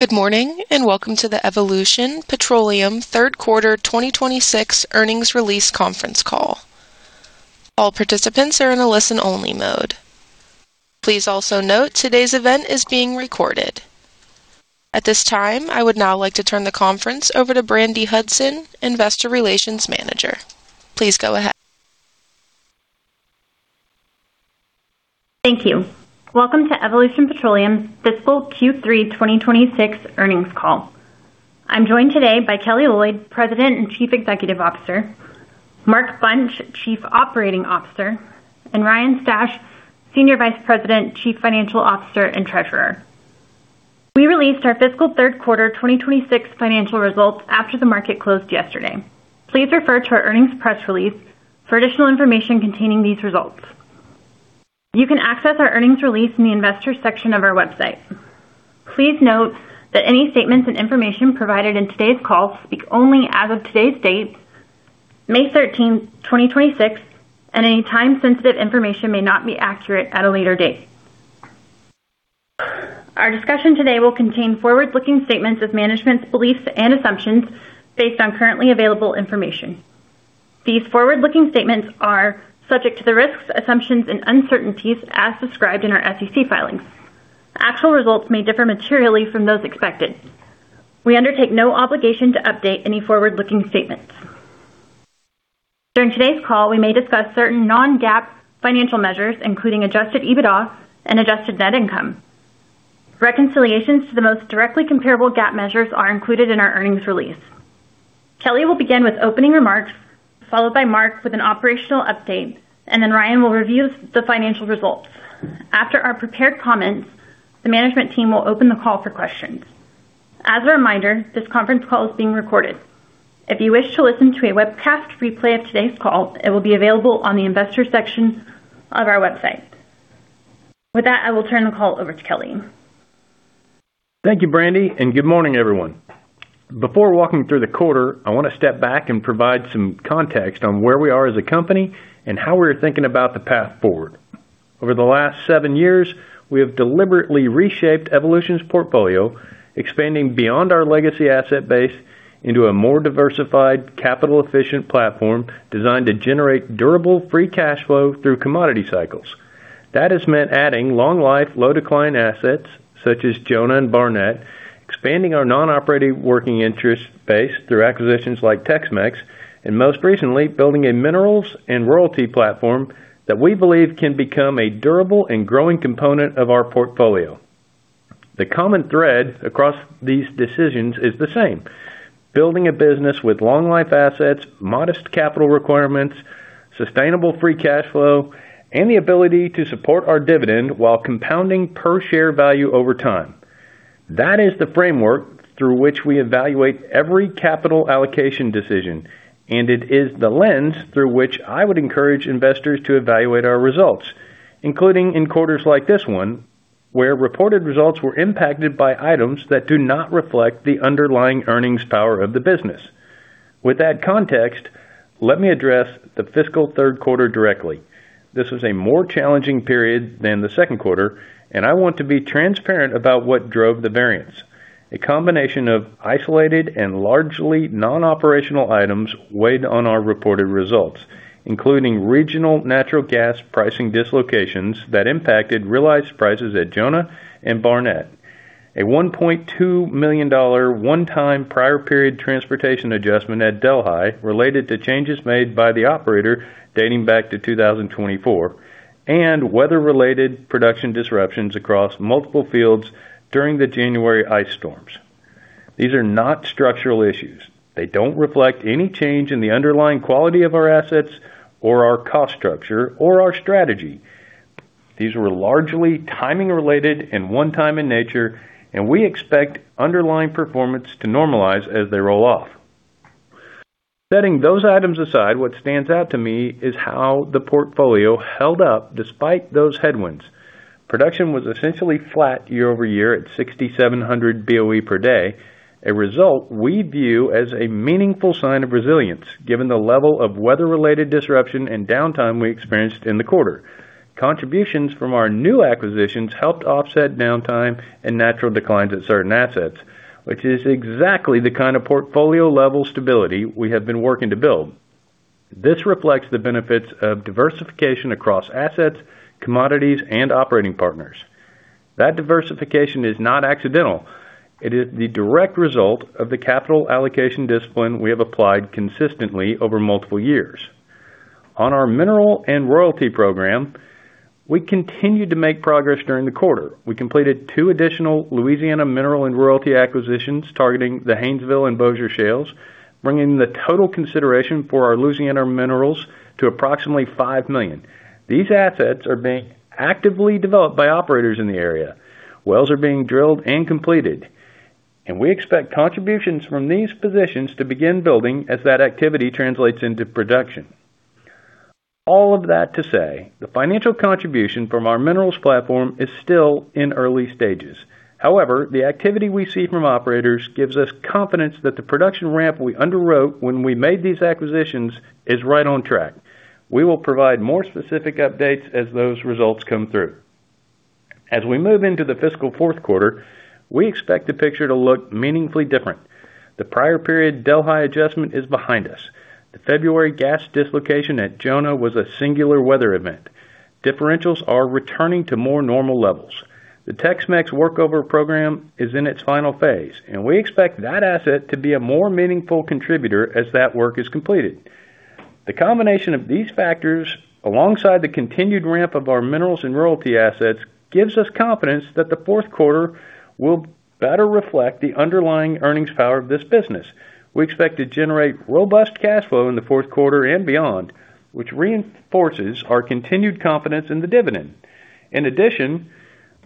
Good morning, welcome to the Evolution Petroleum Third Quarter 2026 earnings release conference call. All participants are in a listen-only mode. Please also note today's event is being recorded. At this time, I would now like to turn the conference over to Brandi Hudson, Investor Relations Manager. Please go ahead. Thank you. Welcome to Evolution Petroleum's fiscal Q3 2026 earnings call. I'm joined today by Kelly Loyd, President and Chief Executive Officer, Mark Bunch, Chief Operating Officer, and Ryan Stash, Senior Vice President, Chief Financial Officer, and Treasurer. We released our fiscal third quarter 2026 financial results after the market closed yesterday. Please refer to our earnings press release for additional information containing these results. You can access our earnings release in the Investors section of our website. Please note that any statements and information provided in today's call speak only as of today's date, May 13th, 2026, and any time-sensitive information may not be accurate at a later date. Our discussion today will contain forward-looking statements of management's beliefs and assumptions based on currently available information. These forward-looking statements are subject to the risks, assumptions, and uncertainties as described in our SEC filings. Actual results may differ materially from those expected. We undertake no obligation to update any forward-looking statements. During today's call, we may discuss certain non-GAAP financial measures, including Adjusted EBITDA and Adjusted Net Income. Reconciliations to the most directly comparable GAAP measures are included in our earnings release. Kelly will begin with opening remarks, followed by Mark with an operational update, and then Ryan will review the financial results. After our prepared comments, the management team will open the call for questions. As a reminder, this conference call is being recorded. If you wish to listen to a webcast replay of today's call, it will be available on the Investors section of our website. With that, I will turn the call over to Kelly. Thank you, Brandi, and good morning, everyone. Before walking through the quarter, I want to step back and provide some context on where we are as a company and how we're thinking about the path forward. Over the last seven years, we have deliberately reshaped Evolution's portfolio, expanding beyond our legacy asset base into a more diversified, capital-efficient platform designed to generate durable free cash flow through commodity cycles. That has meant adding long-life, low-decline assets such as Jonah and Barnett, expanding our non-operating working interest base through acquisitions like TexMex, and most recently, building a minerals and royalty platform that we believe can become a durable and growing component of our portfolio. The common thread across these decisions is the same: building a business with long life assets, modest capital requirements, sustainable free cash flow, and the ability to support our dividend while compounding per share value over time. That is the framework through which we evaluate every capital allocation decision, and it is the lens through which I would encourage investors to evaluate our results, including in quarters like this one, where reported results were impacted by items that do not reflect the underlying earnings power of the business. With that context, let me address the fiscal third quarter directly. This was a more challenging period than the second quarter, and I want to be transparent about what drove the variance. A combination of isolated and largely non-operational items weighed on our reported results, including regional natural gas pricing dislocations that impacted realized prices at Jonah and Barnett. A $1.2 million one-time prior period transportation adjustment at Delhi related to changes made by the operator dating back to 2024, and weather-related production disruptions across multiple fields during the January ice storms. These are not structural issues. They don't reflect any change in the underlying quality of our assets or our cost structure or our strategy. These were largely timing related and one time in nature, and we expect underlying performance to normalize as they roll off. Setting those items aside, what stands out to me is how the portfolio held up despite those headwinds. Production was essentially flat year-over-year at 6,700 BOEPD, a result we view as a meaningful sign of resilience given the level of weather-related disruption and downtime we experienced in the quarter. Contributions from our new acquisitions helped offset downtime and natural declines at certain assets, which is exactly the kind of portfolio-level stability we have been working to build. This reflects the benefits of diversification across assets, commodities, and operating partners. That diversification is not accidental. It is the direct result of the capital allocation discipline we have applied consistently over multiple years. On our mineral and royalty program, we continued to make progress during the quarter. We completed two additional Louisiana mineral and royalty acquisitions targeting the Haynesville and Bossier Shales, bringing the total consideration for our Louisiana minerals to approximately $5 million. These assets are being actively developed by operators in the area. Wells are being drilled and completed, and we expect contributions from these positions to begin building as that activity translates into production. All of that to say, the financial contribution from our minerals platform is still in early stages. However, the activity we see from operators gives us confidence that the production ramp we underwrote when we made these acquisitions is right on track. We will provide more specific updates as those results come through. As we move into the fiscal fourth quarter, we expect the picture to look meaningfully different. The prior period Delhi adjustment is behind us. The February gas dislocation at Jonah was a singular weather event. Differentials are returning to more normal levels. The TexMex workover program is in its final phase, and we expect that asset to be a more meaningful contributor as that work is completed. The combination of these factors, alongside the continued ramp of our minerals and royalty assets, gives us confidence that the fourth quarter will better reflect the underlying earnings power of this business. We expect to generate robust cash flow in the fourth quarter and beyond, which reinforces our continued confidence in the dividend. In addition,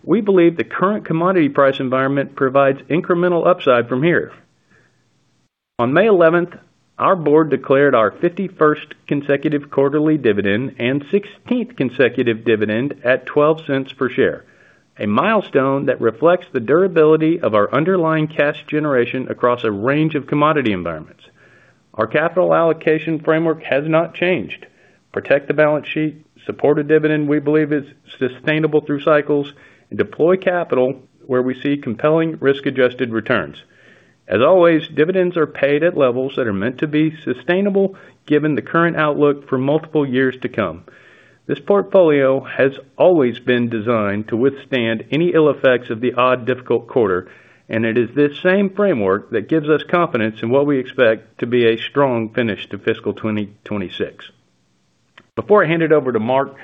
we believe the current commodity price environment provides incremental upside from here. On May 11th, our board declared our 51st consecutive quarterly dividend and 16th consecutive dividend at $0.12 per share, a milestone that reflects the durability of our underlying cash generation across a range of commodity environments. Our capital allocation framework has not changed. Protect the balance sheet, support a dividend we believe is sustainable through cycles, and deploy capital where we see compelling risk-adjusted returns. As always, dividends are paid at levels that are meant to be sustainable given the current outlook for multiple years to come. This portfolio has always been designed to withstand any ill effects of the odd difficult quarter, and it is this same framework that gives us confidence in what we expect to be a strong finish to fiscal 2026. Before I hand it over to Mark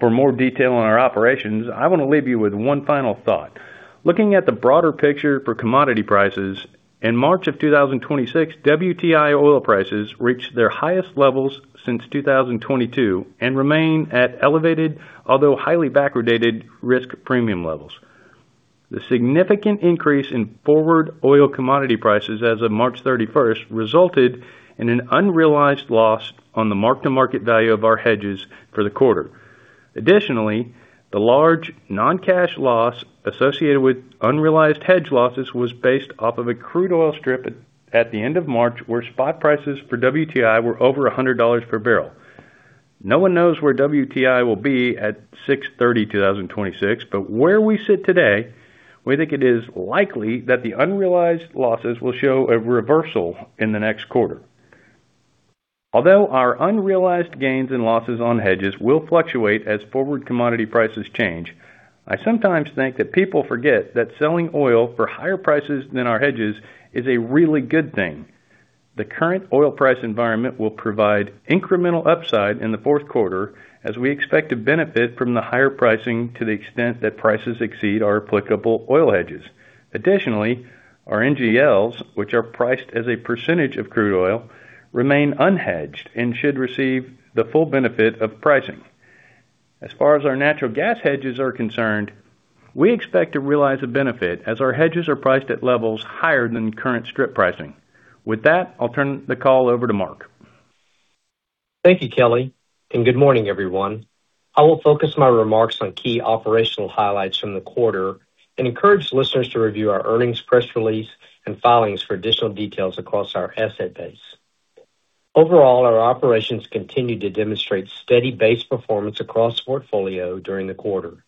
for more detail on our operations, I want to leave you with one final thought. Looking at the broader picture for commodity prices, in March of 2026, WTI oil prices reached their highest levels since 2022 and remain at elevated, although highly backwardated risk premium levels. The significant increase in forward oil commodity prices as of March 31st resulted in an unrealized loss on the mark-to-market value of our hedges for the quarter. Additionally, the large non-cash loss associated with unrealized hedge losses was based off of a crude oil strip at the end of March, where spot prices for WTI were over $100 per barrel. No one knows where WTI will be at 6/30/2026, but where we sit today, we think it is likely that the unrealized losses will show a reversal in the next quarter. Although our unrealized gains and losses on hedges will fluctuate as forward commodity prices change, I sometimes think that people forget that selling oil for higher prices than our hedges is a really good thing. The current oil price environment will provide incremental upside in the fourth quarter as we expect to benefit from the higher pricing to the extent that prices exceed our applicable oil hedges. Additionally, our NGLs, which are priced as a percentage of crude oil, remain unhedged and should receive the full benefit of pricing. As far as our natural gas hedges are concerned, we expect to realize a benefit as our hedges are priced at levels higher than current strip pricing. With that, I'll turn the call over to Mark. Thank you, Kelly, and good morning, everyone. I will focus my remarks on key operational highlights from the quarter and encourage listeners to review our earnings press release and filings for additional details across our asset base. Overall, our operations continued to demonstrate steady base performance across the portfolio during the quarter.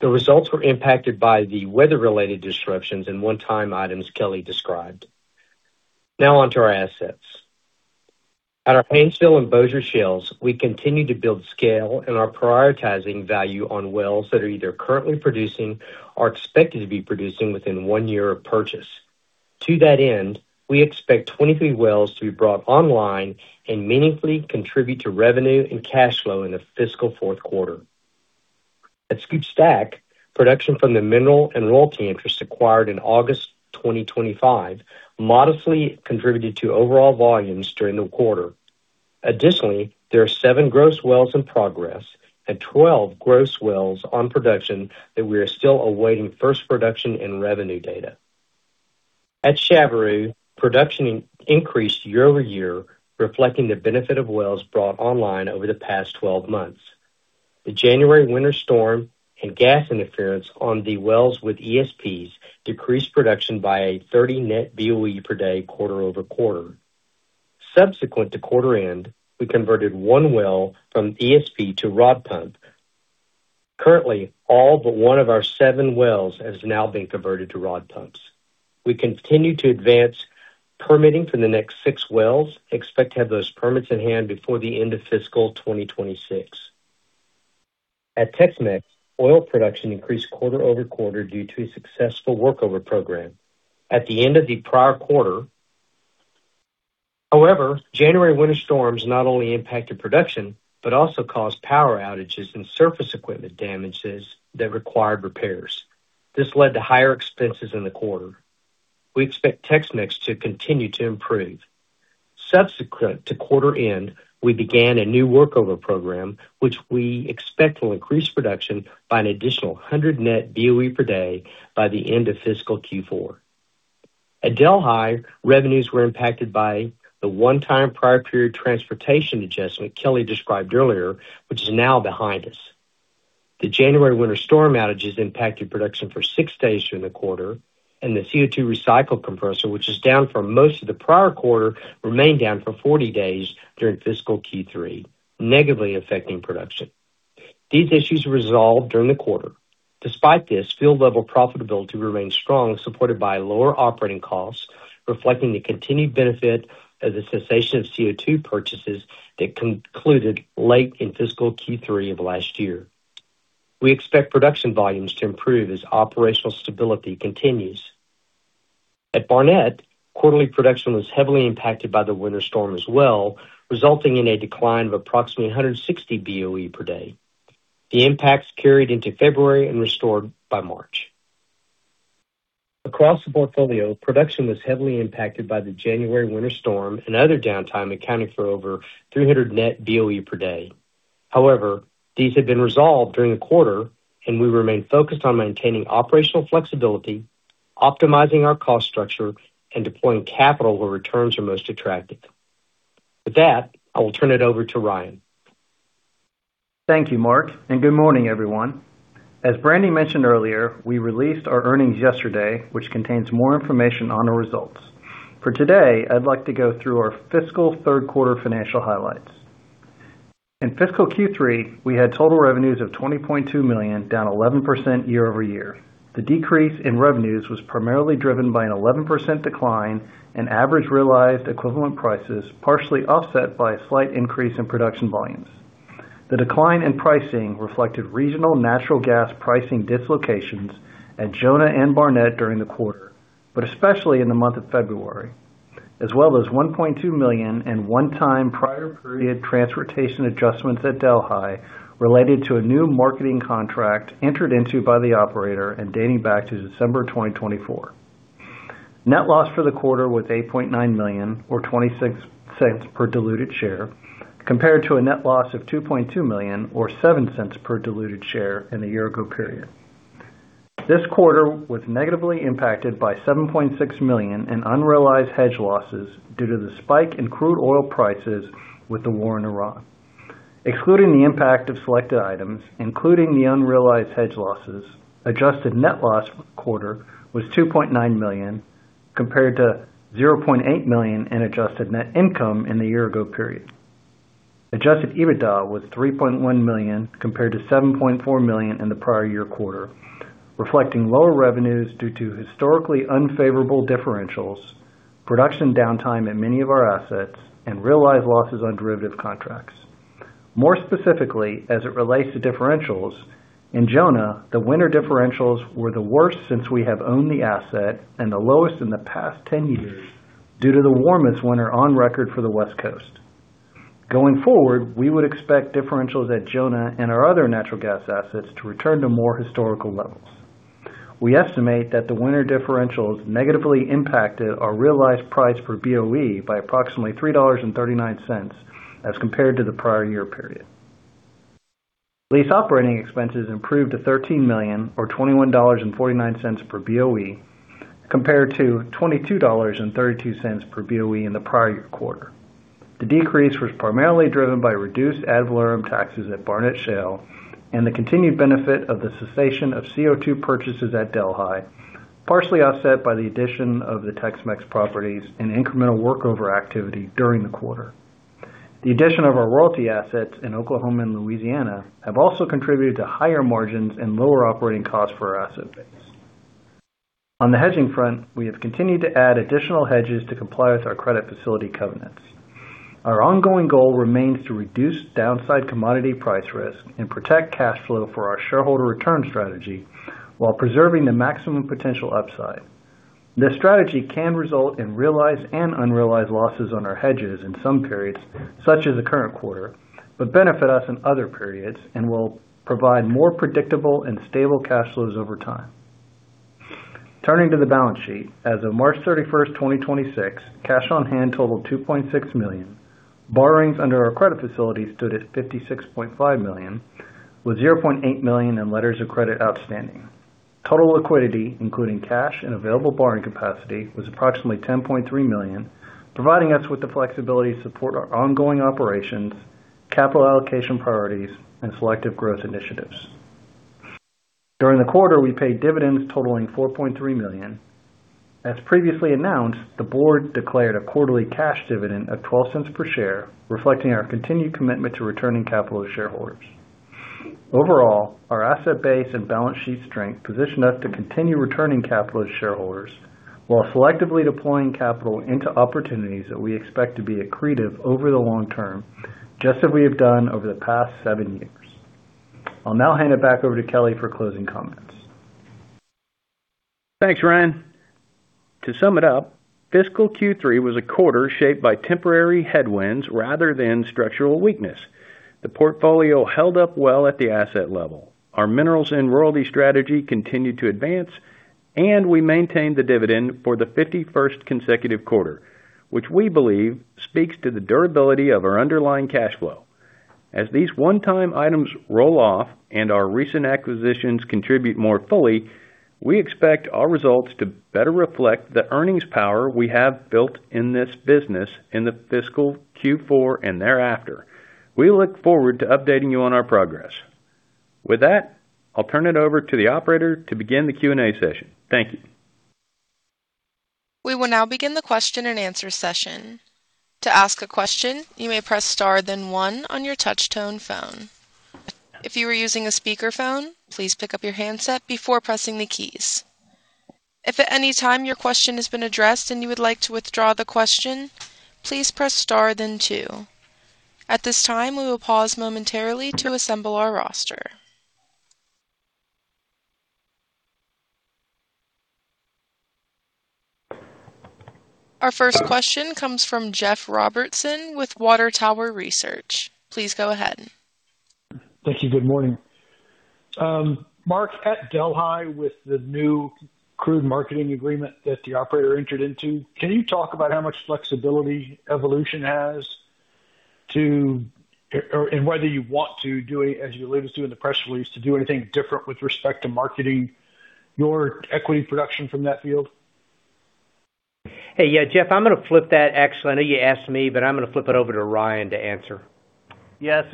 The results were impacted by the weather-related disruptions and one-time items Kelly described. Now on to our assets. At our Haynesville and Bossier Shales, we continue to build scale and are prioritizing value on wells that are either currently producing or expected to be producing within one year of purchase. To that end, we expect 23 wells to be brought online and meaningfully contribute to revenue and cash flow in the fiscal fourth quarter. At SCOOP/STACK, production from the mineral and royalty interests acquired in August 2025 modestly contributed to overall volumes during the quarter. Additionally, there are seven gross wells in progress and 12 gross wells on production that we are still awaiting first production and revenue data. At Chaveroo, production increased year-over-year, reflecting the benefit of wells brought online over the past 12 months. The January winter storm and gas interference on the wells with ESPs decreased production by a 30 net BOEPD quarter-over-quarter. Subsequent to quarter end, we converted one well from ESP to rod pump. Currently, all but one of our seven wells has now been converted to rod pumps. We continue to advance permitting for the next six wells, expect to have those permits in hand before the end of fiscal 2026. At TexMex, oil production increased quarter-over-quarter due to a successful workover program. At the end of the prior quarter. However, January winter storms not only impacted production, but also caused power outages and surface equipment damages that required repairs. This led to higher expenses in the quarter. We expect TexMex to continue to improve. Subsequent to quarter end, we began a new workover program, which we expect will increase production by an additional 100 net BOEPD by the end of fiscal Q4. At Delhi, revenues were impacted by the one-time prior period transportation adjustment Kelly described earlier, which is now behind us. The January winter storm outages impacted production for six days during the quarter, and the CO₂ recycle compressor, which is down for most of the prior quarter, remained down for 40 days during fiscal Q3, negatively affecting production. These issues were resolved during the quarter. Despite this, field level profitability remained strong, supported by lower operating costs, reflecting the continued benefit of the cessation of CO₂ purchases that concluded late in fiscal Q3 of last year. We expect production volumes to improve as operational stability continues. At Barnett, quarterly production was heavily impacted by the winter storm as well, resulting in a decline of approximately 160 BOEPD. The impacts carried into February and restored by March. Across the portfolio, production was heavily impacted by the January winter storm and other downtime accounting for over 300 net BOEPD. These have been resolved during the quarter, and we remain focused on maintaining operational flexibility, optimizing our cost structure, and deploying capital where returns are most attractive. With that, I will turn it over to Ryan. Thank you, Mark. Good morning, everyone. As Brandi mentioned earlier, we released our earnings yesterday, which contains more information on our results. For today, I'd like to go through our fiscal third quarter financial highlights. In fiscal Q3, we had total revenues of $20.2 million, down 11% year-over-year. The decrease in revenues was primarily driven by an 11% decline in average realized equivalent prices, partially offset by a slight increase in production volumes. The decline in pricing reflected regional natural gas pricing dislocations at Jonah and Barnett during the quarter, but especially in the month of February, as well as $1.2 million in one-time prior period transportation adjustments at Delhi, related to a new marketing contract entered into by the operator and dating back to December 2024. Net loss for the quarter was $8.9 million or $0.26 per diluted share, compared to a net loss of $2.2 million or $0.07 per diluted share in the year ago period. This quarter was negatively impacted by $7.6 million in unrealized hedge losses due to the spike in crude oil prices with the war in Iran. Excluding the impact of selected items, including the unrealized hedge losses, Adjusted Net Loss quarter was $2.9 million, compared to $0.8 million in Adjusted Net Income in the year ago period. Adjusted EBITDA was $3.1 million compared to $7.4 million in the prior year quarter, reflecting lower revenues due to historically unfavorable differentials, production downtime at many of our assets, and realized losses on derivative contracts. More specifically, as it relates to differentials, in Jonah, the winter differentials were the worst since we have owned the asset and the lowest in the past 10 years due to the warmest winter on record for the West Coast. Going forward, we would expect differentials at Jonah and our other natural gas assets to return to more historical levels. We estimate that the winter differentials negatively impacted our realized price per BOE by approximately $3.39 as compared to the prior year period. Lease operating expenses improved to $13 million or $21.49 per BOE, compared to $22.32 per BOE in the prior quarter. The decrease was primarily driven by reduced ad valorem taxes at Barnett Shale and the continued benefit of the cessation of CO₂ purchases at Delhi, partially offset by the addition of the TexMex properties and incremental work overactivity during the quarter. The addition of our royalty assets in Oklahoma and Louisiana have also contributed to higher margins and lower operating costs for our asset base. On the hedging front, we have continued to add additional hedges to comply with our credit facility covenants. Our ongoing goal remains to reduce downside commodity price risk and protect cash flow for our shareholder return strategy while preserving the maximum potential upside. This strategy can result in realized and unrealized losses on our hedges in some periods, such as the current quarter, but benefit us in other periods and will provide more predictable and stable cash flows over time. Turning to the balance sheet. As of March 31st, 2026, cash on hand totaled $2.6 million. Borrowings under our credit facility stood at $56.5 million, with $0.8 million in letters of credit outstanding. Total liquidity, including cash and available borrowing capacity, was approximately $10.3 million, providing us with the flexibility to support our ongoing operations, capital allocation priorities, and selective growth initiatives. During the quarter, we paid dividends totaling $4.3 million. As previously announced, the board declared a quarterly cash dividend of $0.12 per share, reflecting our continued commitment to returning capital to shareholders. Overall, our asset base and balance sheet strength position us to continue returning capital to shareholders while selectively deploying capital into opportunities that we expect to be accretive over the long term, just as we have done over the past seven years. I'll now hand it back over to Kelly for closing comments. Thanks, Ryan. To sum it up, fiscal Q3 was a quarter shaped by temporary headwinds rather than structural weakness. The portfolio held up well at the asset level. Our minerals and royalty strategy continued to advance, and we maintained the dividend for the 51st consecutive quarter, which we believe speaks to the durability of our underlying cash flow. As these one-time items roll off and our recent acquisitions contribute more fully, we expect our results to better reflect the earnings power we have built in this business in the fiscal Q4 and thereafter. We look forward to updating you on our progress. With that, I'll turn it over to the operator to begin the Q&A session. Thank you. We will now begin the question and answer session. To ask a question, you may press star then one on your touchtone phone. If you are using a speakerphone, please pick up your handset before pressing the keys. If at any time your question has been addressed and you would like to withdraw the question, please press star then two. At this time, we will pause momentarily to assemble our roster. Our first question comes from Jeff Robertson with Water Tower Research. Please go ahead. Thank you. Good morning. Mark, at Delhi, with the new crude marketing agreement that the operator entered into, can you talk about how much flexibility Evolution has to or and whether you want to do any, as you allude us to in the press release, to do anything different with respect to marketing your equity production from that field? Hey, yeah, Jeff, I'm gonna flip that. Actually, I know you asked me, but I'm gonna flip it over to Ryan to answer. That's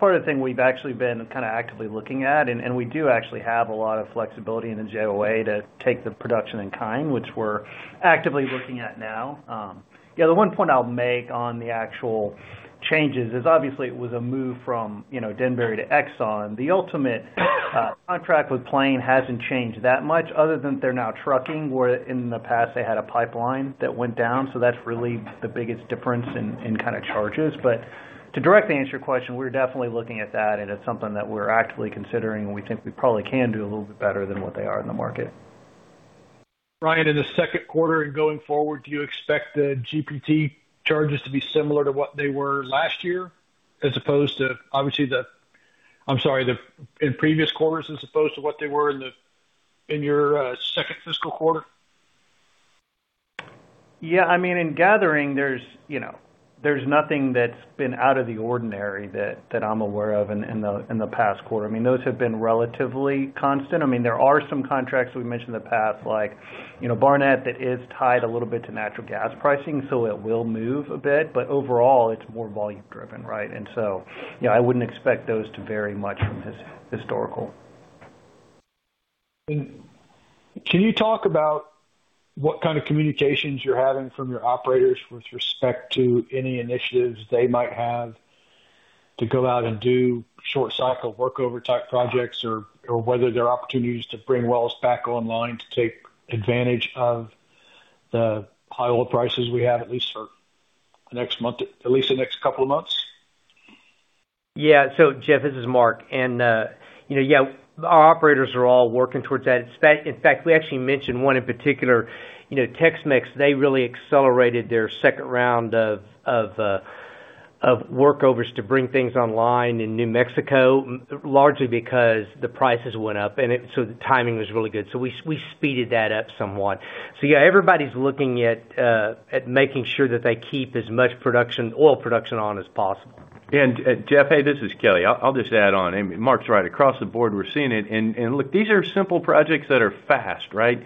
part of the thing we've actually been kinda actively looking at. We do actually have a lot of flexibility in the JOA to take the production in kind, which we're actively looking at now. The one point I'll make on the actual changes is obviously it was a move from, you know, Denbury to Exxon. The ultimate contract with Plain hasn't changed that much other than they're now trucking, where in the past they had a pipeline that went down. That's really the biggest difference in kinda charges. To directly answer your question, we're definitely looking at that, and it's something that we're actively considering, and we think we probably can do a little bit better than what they are in the market. Ryan, in the second quarter and going forward, do you expect the G&T charges to be similar to what they were last year as opposed to in previous quarters as opposed to what they were in your second fiscal quarter? Yeah. I mean, in gathering there's, you know, there's nothing that's been out of the ordinary that I'm aware of in the past quarter. I mean, those have been relatively constant. I mean, there are some contracts we've mentioned in the past, like, you know, Barnett that is tied a little bit to natural gas pricing, so it will move a bit. Overall, it's more volume driven, right? You know, I wouldn't expect those to vary much from historical. Can you talk about what kind of communications you're having from your operators with respect to any initiatives they might have to go out and do short cycle workover type projects or whether there are opportunities to bring wells back online to take advantage of the high oil prices we have at least for the next month, at least the next couple of months? Yeah. Jeff, this is Mark, you know, yeah, our operators are all working towards that. In fact, we actually mentioned one in particular. You know, TexMex, they really accelerated their second round of workovers to bring things online in New Mexico, largely because the prices went up. The timing was really good. We speeded that up somewhat. Yeah, everybody's looking at making sure that they keep as much production, oil production on as possible. Jeff, hey, this is Kelly. I'll just add on. I mean, Mark's right. Across the board, we're seeing it. Look, these are simple projects that are fast, right?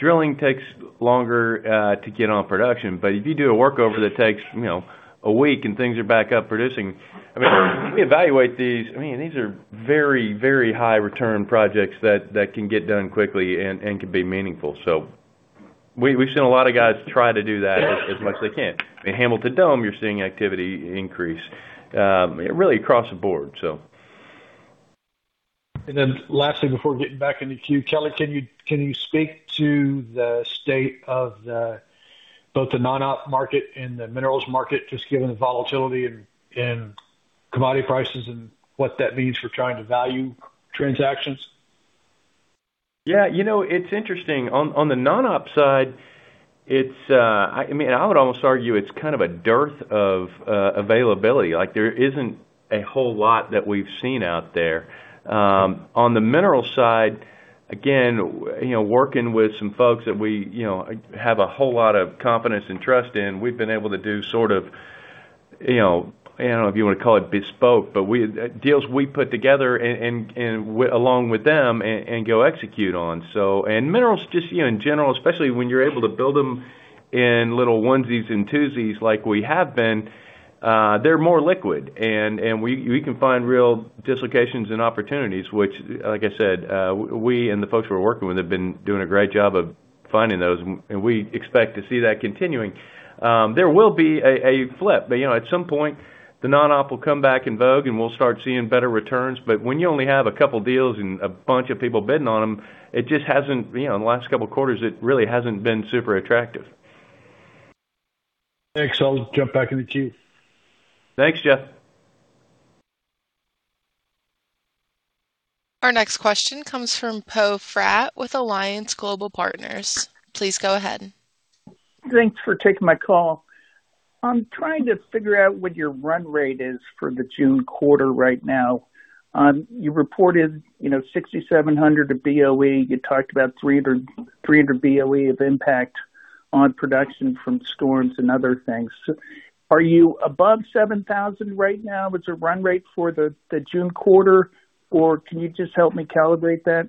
Drilling takes longer to get on production. If you do a workover that takes, you know, a week and things are back up producing, I mean, if you evaluate these, I mean, these are very, very high return projects that can get done quickly and can be meaningful. We've seen a lot of guys try to do that as much as they can. In Hamilton Dome, you're seeing activity increase really across the board. Lastly before getting back in the queue. Kelly, can you speak to the state of both the non-op market and the minerals market, just given the volatility in commodity prices and what that means for trying to value transactions? Yeah. You know, it's interesting. On the non-op side, it's, I mean, I would almost argue it's kind of a dearth of availability. Like, there isn't a whole lot that we've seen out there. On the mineral side, again, you know, working with some folks that we, you know, have a whole lot of confidence and trust in, we've been able to do sort of, you know, I don't know if you wanna call it bespoke, but deals we put together and along with them and go execute on. And minerals just, you know, in general, especially when you're able to build them in little onesies and twosies like we have been, they're more liquid. We can find real dislocations and opportunities which, like I said, we and the folks we're working with have been doing a great job of finding those, and we expect to see that continuing. There will be a flip. You know, at some point, the non-op will come back in vogue, and we'll start seeing better returns. When you only have a couple deals and a bunch of people bidding on them, it just hasn't, you know, in the last couple quarters, it really hasn't been super attractive. Thanks. I'll jump back in the queue. Thanks, Jeff. Our next question comes from Poe Fratt with Alliance Global Partners. Please go ahead. Thanks for taking my call. I'm trying to figure out what your run rate is for the June quarter right now. You reported, you know, 6,700 of BOEPD. You talked about 300 BOEPD of impact on production from storms and other things. Are you above 7,000 BOEPD right now? What's the run rate for the June quarter? Or can you just help me calibrate that?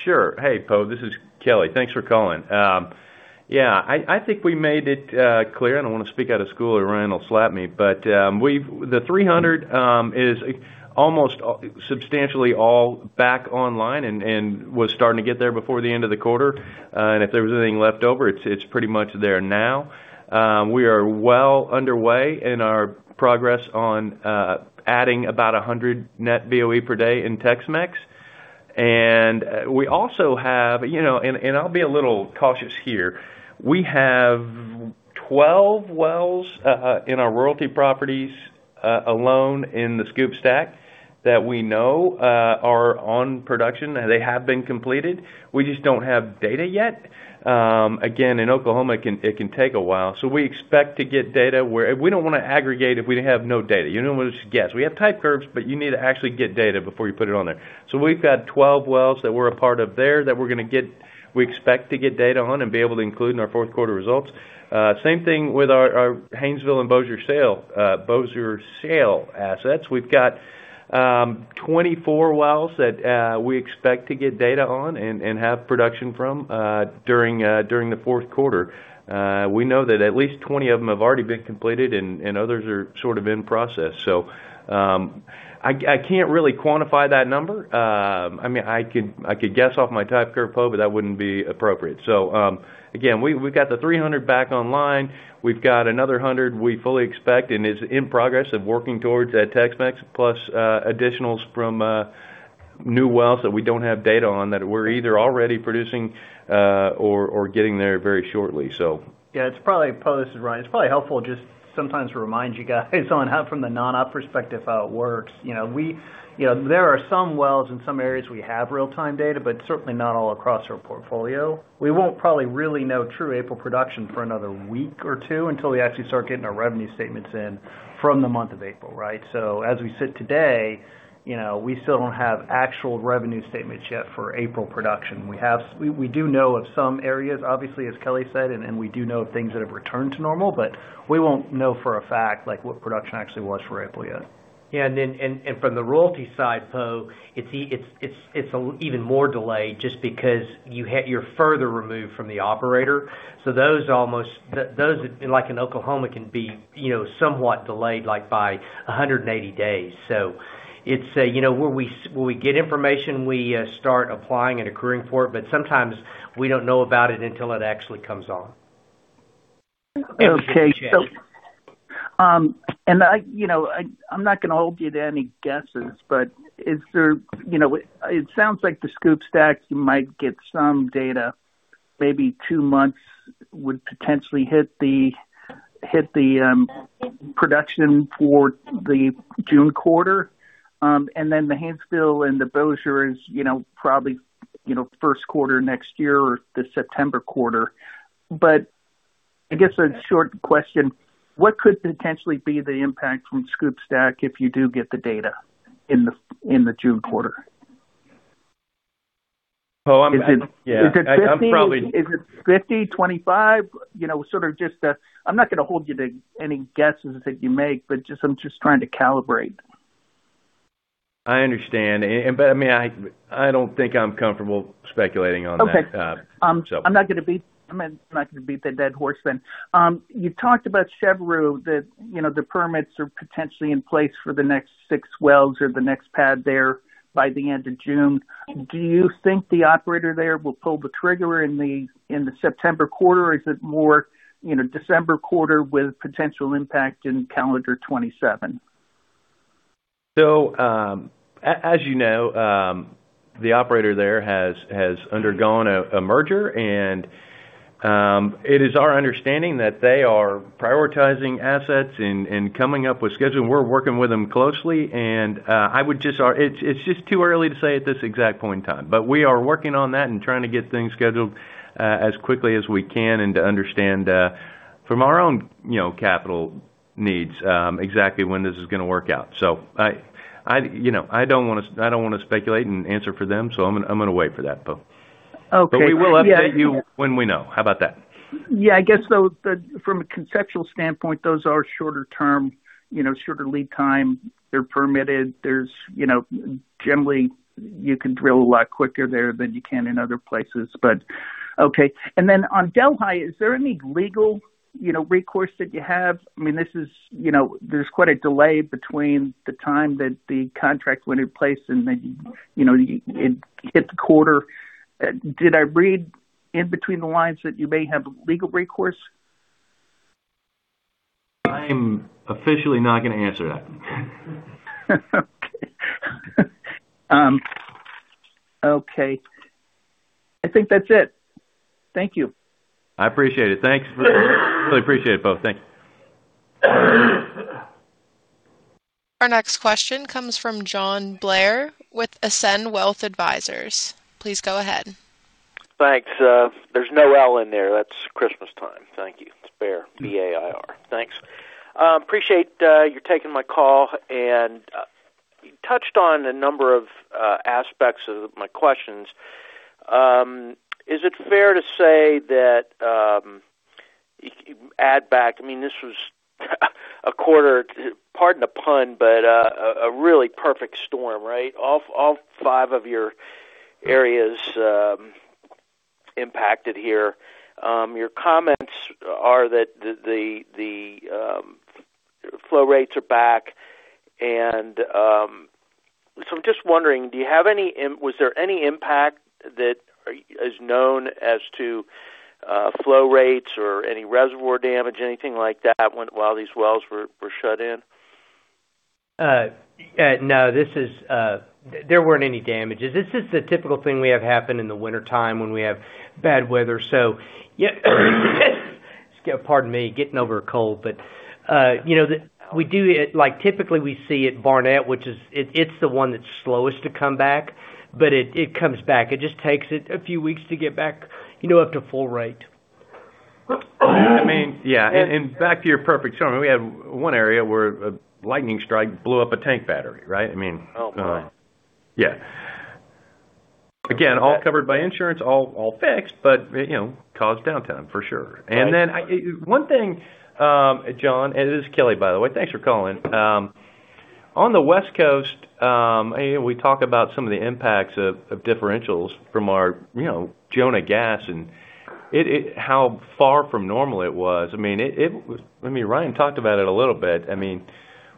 Sure. Hey, Poe, this is Kelly. Thanks for calling. Yeah, I think we made it clear, I don't wanna speak out of school or Ryan will slap me, we've The 300 BOEPD is almost substantially all back online and was starting to get there before the end of the quarter. If there was anything left over, it's pretty much there now. We are well underway in our progress on adding about 100 net BOEPD in TexMex. We also have, you know, I'll be a little cautious here. We have 12 wells in our royalty properties alone in the SCOOP/STACK that we know are on production. They have been completed. We just don't have data yet. Again, in Oklahoma, it can take a while. We expect to get data. We don't wanna aggregate if we have no data. You don't wanna just guess. We have type curves, you need to actually get data before you put it on there. We've got 12 wells that we're a part of there that we expect to get data on and be able to include in our fourth quarter results. Same thing with our Haynesville and Bossier Shale assets. We've got 24 wells that we expect to get data on and have production from during the fourth quarter. We know that at least 20 of them have already been completed and others are sort of in process. I can't really quantify that number. I mean, I could guess off my type curve, Poe, but that wouldn't be appropriate. Again, we've got the 300 BOEPD back online. We've got another 100 BOEPD we fully expect and is in progress of working towards at TexMex plus additionals from new wells that we don't have data on that we're either already producing or getting there very shortly. It's probably Poe, this is Ryan. It's probably helpful just sometimes to remind you guys on how from the non-op perspective how it works. You know, there are some wells in some areas we have real-time data, but certainly not all across our portfolio. We won't probably really know true April production for another week or two until we actually start getting our revenue statements in from the month of April, right? As we sit today, you know, we still don't have actual revenue statements yet for April production. We do know of some areas, obviously, as Kelly said, and we do know of things that have returned to normal, but we won't know for a fact, like, what production actually was for April yet. Yeah. From the royalty side, Poe, it's even more delayed just because you're further removed from the operator. Those, like in Oklahoma, can be, you know, somewhat delayed, like, by 180 days. It's, you know, when we get information, we start applying and accruing for it, but sometimes we don't know about it until it actually comes on. Okay. I, you know, I'm not going to hold you to any guesses, but is there You know, it sounds like the SCOOP/STACK, you might get some data, maybe two months would potentially hit the production for the June quarter. The Haynesville and the Bossier is, you know, probably, you know, first quarter next year or the September quarter. I guess a short question, what could potentially be the impact from SCOOP/STACK if you do get the data in the June quarter? Poe. Is it- Yeah, I'm. Is it 50, 25? You know, sort of just, I'm not gonna hold you to any guesses that you make. I'm just trying to calibrate. I understand. I mean, I don't think I'm comfortable speculating on that. Okay. I'm not gonna beat the dead horse then. You talked about Chaveroo that, you know, the permits are potentially in place for the next six wells or the next pad there by the end of June. Do you think the operator there will pull the trigger in the September quarter? Is it more, you know, December quarter with potential impact in calendar 2027? As you know, the operator there has undergone a merger, and it is our understanding that they are prioritizing assets and coming up with schedule. We're working with them closely, I would just It's just too early to say at this exact point in time. We are working on that and trying to get things scheduled as quickly as we can and to understand from our own, you know, capital needs, exactly when this is gonna work out. I, you know, I don't wanna speculate and answer for them, I'm gonna wait for that, Poe. Okay. Yeah. We will update you when we know. How about that? Yeah, I guess so. From a conceptual standpoint, those are shorter term, you know, shorter lead time. They're permitted. There's, you know, generally, you can drill a lot quicker there than you can in other places. Okay. Then on Delhi, is there any legal, you know, recourse that you have? I mean, this is, you know, there's quite a delay between the time that the contract went in place and then, you know, it hit the quarter. Did I read in between the lines that you may have legal recourse? I'm officially not gonna answer that. Okay. Okay. I think that's it. Thank you. I appreciate it. Thanks. Really appreciate it, Poe. Thanks. Our next question comes from John Bair with Ascend Wealth Advisors. Please go ahead. Thanks. There's no L in there. That's Christmas time. Thank you. It's Bair. B-A-I-R. Thanks. Appreciate you taking my call, and you touched on a number of aspects of my questions. Is it fair to say that? I mean, this was a quarter, pardon the pun, but a really perfect storm, right? All five of your areas impacted here. Your comments are that the flow rates are back and I'm just wondering, was there any impact that is known as to flow rates or any reservoir damage, anything like that when, while these wells were shut in? No. This is There weren't any damages. This is the typical thing we have happen in the wintertime when we have bad weather. Yeah, pardon me. Getting over a cold. You know, the We do it Like, typically, we see at Barnett, which is it's the one that's slowest to come back, but it comes back. It just takes it a few weeks to get back, you know, up to full rate. I mean, yeah. Back to your perfect storm, we had one area where a lightning strike blew up a tank battery, right? Oh, boy. Yeah. Again, all covered by insurance, all fixed, you know, caused downtime for sure. One thing, John, it is Kelly, by the way. Thanks for calling. On the West Coast, you know, we talk about some of the impacts of differentials from our, you know, Jonah gas and it how far from normal it was. I mean, it was I mean, Ryan talked about it a little bit. I mean,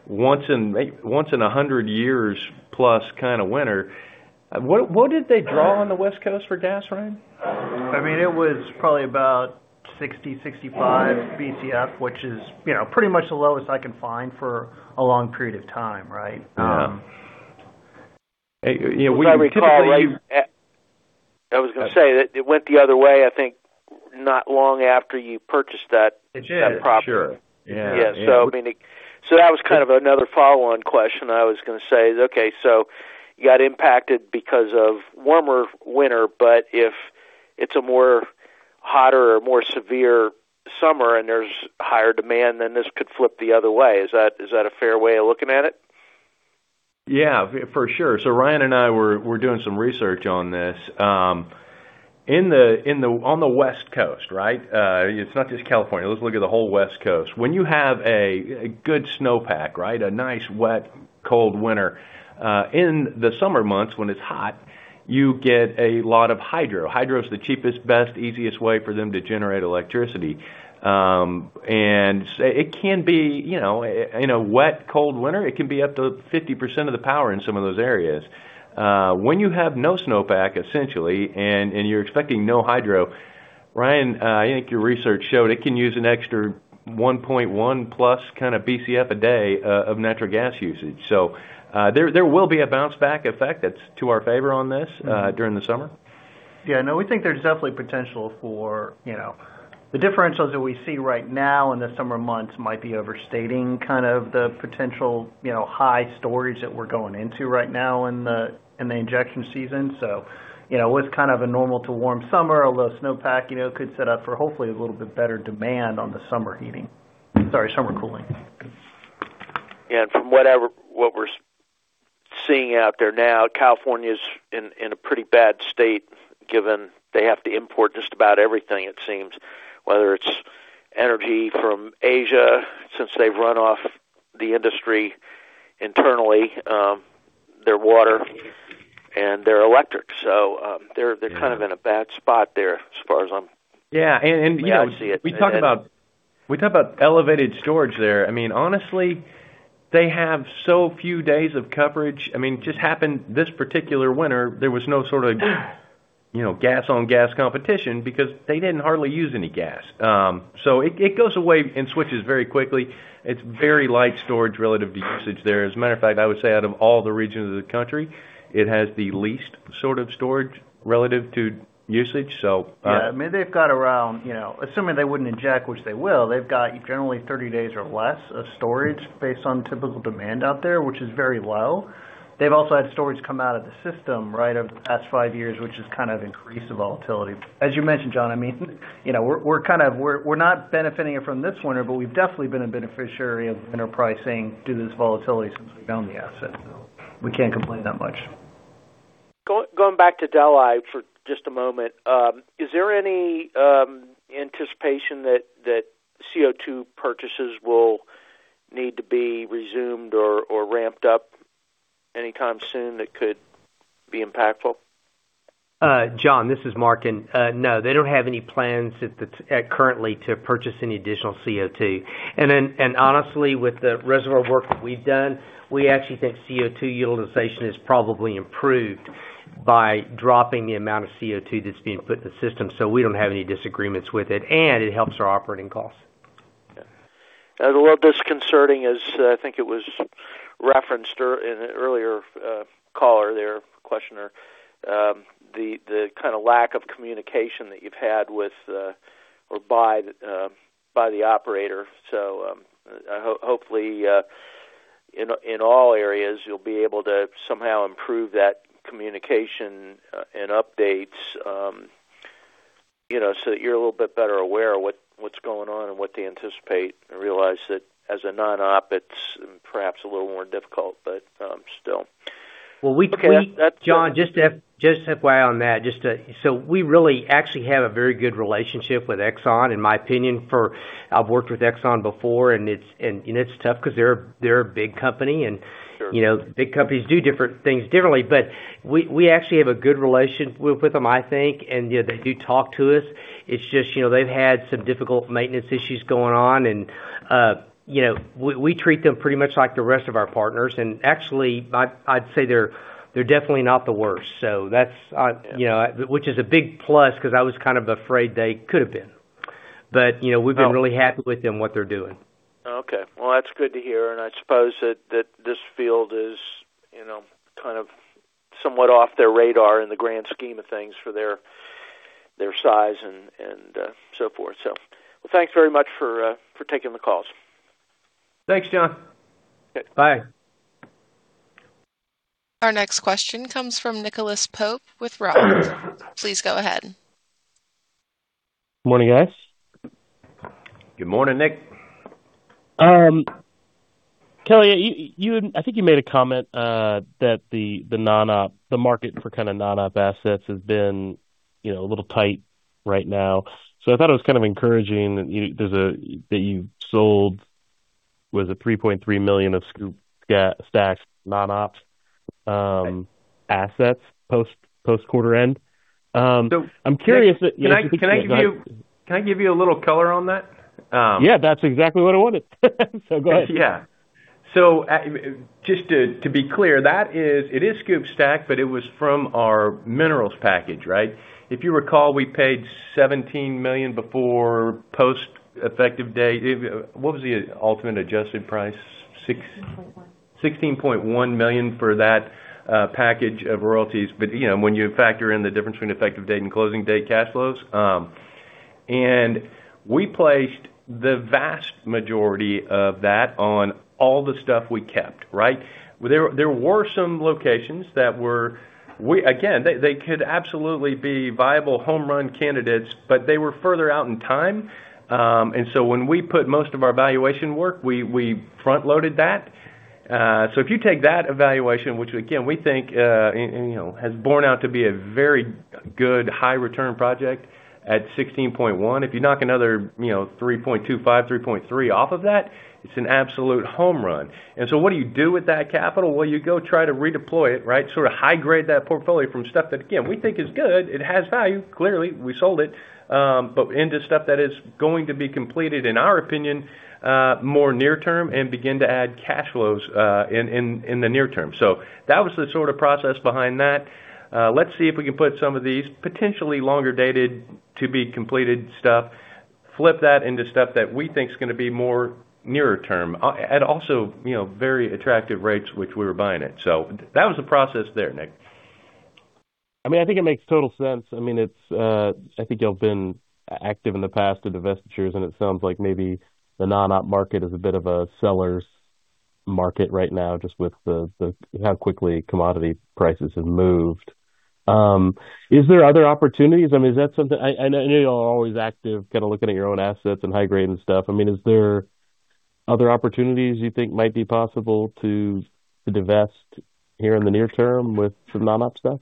once in 100 years plus kind of winter. What did they draw on the West Coast for gas, Ryan? I mean, it was probably about 60, 65 Bcf, which is, you know, pretty much the lowest I can find for a long period of time, right? Yeah. You know. As I recall, right. I was gonna say that it went the other way, I think, not long after you purchased that- It did. ...that property. Sure. Yeah. Yeah. I mean, that was kind of another follow-on question I was gonna say is, okay, you got impacted because of warmer winter, if it's a more hotter or more severe summer and there's higher demand, this could flip the other way. Is that a fair way of looking at it? Yeah, for sure. Ryan and I we're doing some research on this. on the West Coast, right? It's not just California. Let's look at the whole West Coast. When you have a good snowpack, right? A nice, wet, cold winter, in the summer months when it's hot, you get a lot of hydro. Hydro is the cheapest, best, easiest way for them to generate electricity. It can be, you know, in a wet, cold winter, it can be up to 50% of the power in some of those areas. When you have no snowpack, essentially, and you're expecting no hydro, Ryan, I think your research showed it can use an extra 1.1+ kinda Bcf/d of natural gas usage. There will be a bounce back effect that's to our favor on this during the summer. Yeah. No, we think there's definitely potential for, you know The differentials that we see right now in the summer months might be overstating kind of the potential, you know, high storage that we're going into right now in the, in the injection season. You know, with kind of a normal to warm summer, a little snowpack, you know, could set up for hopefully a little bit better demand on the summer heating. Sorry, summer cooling. Yeah. From what we're seeing out there now, California's in a pretty bad state, given they have to import just about everything, it seems, whether it's energy from Asia, since they've run off the industry internally, their water and their electric. Yeah. They're kind of in a bad spot there. Yeah. Yeah. I see it. We talk about elevated storage there. I mean, honestly, they have so few days of coverage. I mean, just happened this particular winter, there was no sort of, you know, gas-on-gas competition because they didn't hardly use any gas. It goes away and switches very quickly. It's very light storage relative to usage there. As a matter of fact, I would say out of all the regions of the country, it has the least sort of storage relative to usage. Yeah. I mean, they've got around, you know, assuming they wouldn't inject, which they will, they've got generally 30 days or less of storage based on typical demand out there, which is very low. They've also had storage come out of the system, right? Over the past five years, which has kind of increased the volatility. As you mentioned, John, I mean, you know, we're kind of we're not benefiting it from this winter, but we've definitely been a beneficiary of winter pricing due to this volatility since we've owned the asset. We can't complain that much. Going back to Delhi for just a moment. Is there any anticipation that CO₂ purchases will need to be resumed or ramped up anytime soon that could be impactful? John, this is Mark. No, they don't have any plans currently to purchase any additional CO₂. Honestly, with the reservoir work that we've done, we actually think CO₂ utilization is probably improved by dropping the amount of CO₂ that's being put in the system. We don't have any disagreements with it, and it helps our operating costs. Yeah. A little disconcerting is, I think it was referenced in an earlier caller there, questioner, the kinda lack of communication that you've had with or by the operator. Hopefully, in all areas, you'll be able to somehow improve that communication and updates, you know, so that you're a little bit better aware of what's going on and what to anticipate. I realize that as a non-op, it's perhaps a little more difficult, but still. Well, John, we really actually have a very good relationship with Exxon, in my opinion, for I've worked with Exxon before, and it's, and, you know, it's tough 'cause they're a big company. Sure. You know, big companies do different things differently. We actually have a good relation with them, I think, and, you know, they do talk to us. It's just, you know, they've had some difficult maintenance issues going on and, you know, we treat them pretty much like the rest of our partners. Actually, I'd say they're definitely not the worst. That's, you know, which is a big plus 'cause I was kind of afraid they could have been. You know, we've been really happy with them, what they're doing. Okay. Well, that's good to hear. I suppose that this field is, you know, kind of somewhat off their radar in the grand scheme of things for their size and so forth. Well, thanks very much for taking the calls. Thanks, John. Okay. Bye. Our next question comes from Nicholas Pope with ROTH. Please go ahead. Morning, guys. Good morning, Nick. Kelly, I think you made a comment that the non-op, the market for kinda non-op assets has been, you know, a little tight right now. I thought it was kind of encouraging that you've sold, was it $3.3 million of SCOOP/STACK non-ops assets post-quarter end. Can I give you a little color on that? Yeah, that's exactly what I wanted. Go ahead. Just to be clear, that is it is SCOOP/STACK, but it was from our minerals package, right? If you recall, we paid $17 million before post-effective date. What was the ultimate adjusted price? $16.1 million for that package of royalties. You know, when you factor in the difference between effective date and closing date cash flows, and we placed the vast majority of that on all the stuff we kept, right? There were some locations that were again, they could absolutely be viable home run candidates, but they were further out in time. When we put most of our valuation work, we front-loaded that. If you take that evaluation, which again, we think, and, you know, has borne out to be a very good high return project at $16.1 million. If you knock another, you know, $3.25 million, $3.3 million off of that, it's an absolute home run. What do you do with that capital? You go try to redeploy it, right? Sort of high grade that portfolio from stuff that, again, we think is good. It has value. Clearly, we sold it. But into stuff that is going to be completed, in our opinion, more near term and begin to add cash flows, in the near term. That was the sort of process behind that. Let's see if we can put some of these potentially longer dated to-be-completed stuff, flip that into stuff that we think is gonna be more nearer term, at also, you know, very attractive rates which we were buying it. That was the process there, Nick. I mean, I think it makes total sense. I mean, it's, I think y'all been active in the past of divestitures, and it sounds like maybe the non-op market is a bit of a seller's market right now just with how quickly commodity prices have moved. Is there other opportunities? I mean, is that something I know y'all are always active kinda looking at your own assets and high grading stuff. I mean, is there other opportunities you think might be possible to divest here in the near term with some non-op stuff?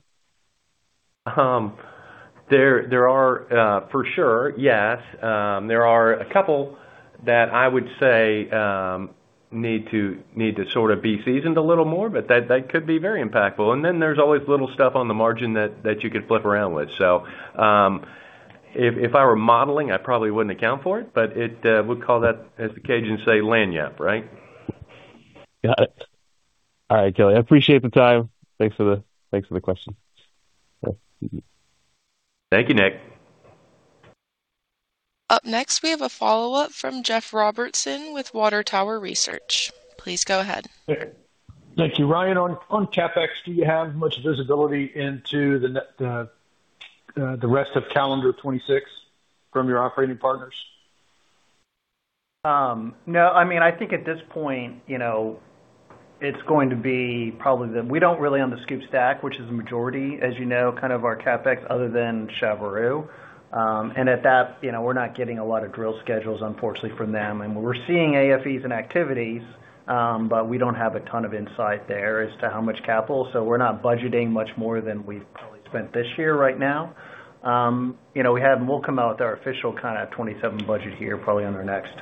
There are for sure, yes. There are a couple that I would say need to sort of be seasoned a little more, but that could be very impactful. There's always little stuff on the margin that you could flip around with. If I were modeling, I probably wouldn't account for it, but we call that, as the Cajuns say, lagniappe, right? Got it. All right Kelly. I appreciate the time. Thanks for the question. Thank you, Nick. Up next, we have a follow-up from Jeff Robertson with Water Tower Research. Please go ahead. Thank you. Ryan, on CapEx, do you have much visibility into the rest of calendar 2026 from your operating partners? No. I mean, I think at this point, you know, it's going to be probably We don't really own the SCOOP/STACK, which is the majority, as you know, kind of our CapEx other than Chaveroo. At that, you know, we're not getting a lot of drill schedules, unfortunately, from them. We're seeing AFEs and activities, but we don't have a ton of insight there as to how much capital. We're not budgeting much more than we've probably spent this year right now. You know, we'll come out with our official kind of 2027 budget here, probably on our next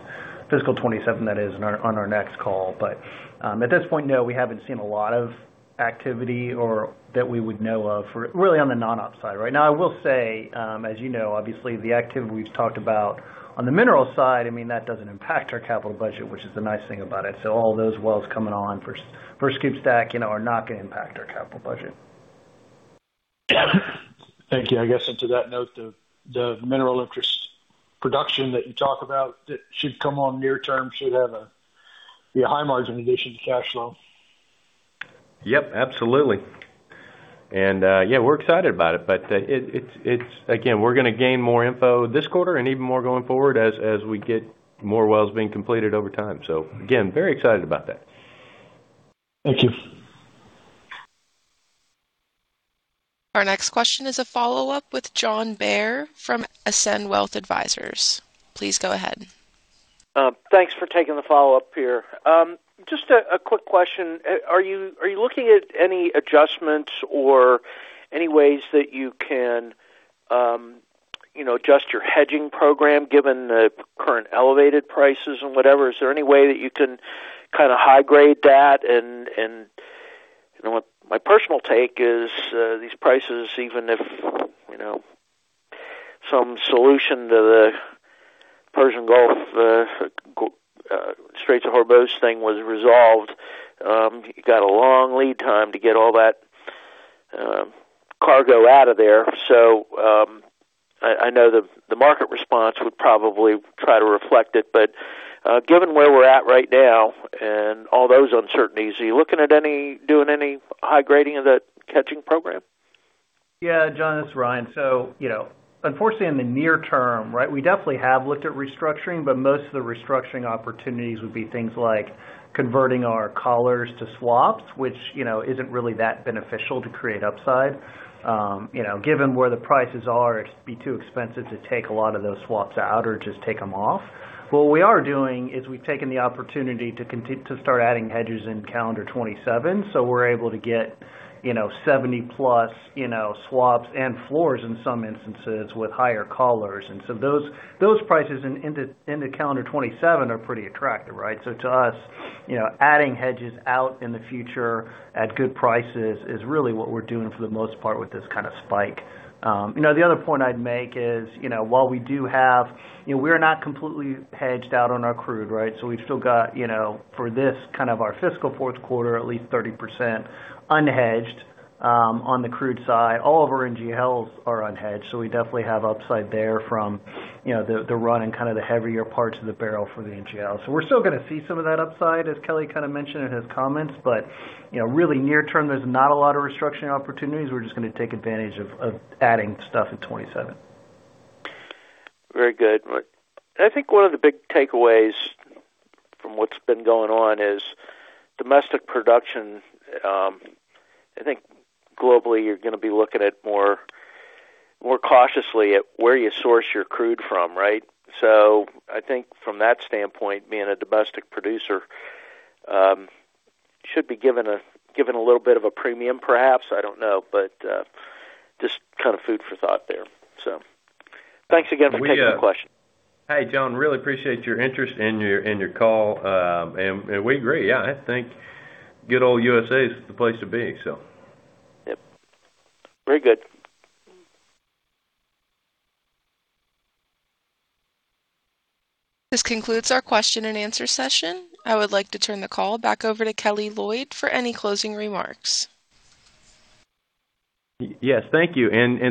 Fiscal 2027, that is, on our, on our next call. At this point, no, we haven't seen a lot of activity or that we would know of for really on the non-op side. Right now, I will say, as you know, obviously, the activity we've talked about on the mineral side, I mean, that doesn't impact our capital budget, which is the nice thing about it. All those wells coming on for SCOOP/STACK, you know, are not gonna impact our capital budget. Thank you. I guess into that note, the mineral interest production that you talk about that should come on near term should be a high margin addition to cash flow. Yep, absolutely. Yeah, we're excited about it. It's again, we're gonna gain more info this quarter and even more going forward as we get more wells being completed over time. Again, very excited about that. Thank you. Our next question is a follow-up with John Bair from Ascend Wealth Advisors. Please go ahead. Thanks for taking the follow-up here. Just a quick question. Are you looking at any adjustments or any ways that you can, you know, adjust your hedging program, given the current elevated prices and whatever? Is there any way that you can kinda high-grade that and, you know what? My personal take is, these prices, even if, you know, some solution to the Persian Gulf, Strait of Hormuz thing was resolved, you got a long lead time to get all that cargo out of there. I know the market response would probably try to reflect it, but, given where we're at right now and all those uncertainties, are you looking at any doing any high grading of that hedging program? Yeah, John, it's Ryan. You know, unfortunately in the near term, right, we definitely have looked at restructuring, but most of the restructuring opportunities would be things like converting our collars to swaps, which, you know, isn't really that beneficial to create upside. You know, given where the prices are, it'd be too expensive to take a lot of those swaps out or just take them off. What we are doing is we've taken the opportunity to start adding hedges in calendar 2027, so we're able to get, you know, $70+, you know, swaps and floors in some instances with higher collars. Those prices in, into calendar 2027 are pretty attractive, right? To us, you know, adding hedges out in the future at good prices is really what we're doing for the most part with this kinda spike. You know, the other point I'd make is, you know, we're not completely hedged out on our crude, right? We've still got for our fiscal fourth quarter, at least 30% unhedged on the crude side. All of our NGLs are unhedged, we definitely have upside there from the run and the heavier parts of the barrel for the NGL. We're still gonna see some of that upside, as Kelly mentioned in his comments, really near term, there's not a lot of restructuring opportunities. We're just gonna take advantage of adding stuff in 2027. Very good. I think one of the big takeaways from what's been going on is domestic production, I think globally you're going to be looking at more cautiously at where you source your crude from, right? I think from that standpoint, being a domestic producer, should be given a little bit of a premium, perhaps, I don't know. Just kind of food for thought there. Thanks again for taking the question. Hey, John, really appreciate your interest and your call. We agree. I think good old USA is the place to be. Yep. Very good. This concludes our question and answer session. I would like to turn the call back over to Kelly Loyd for any closing remarks. Yes. Thank you.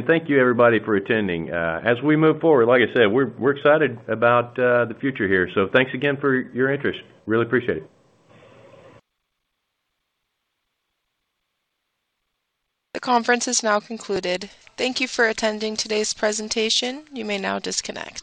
Thank you, everybody, for attending. As we move forward, like I said, we're excited about the future here. Thanks again for your interest. Really appreciate it. The conference is now concluded. Thank you for attending today's presentation. You may now disconnect.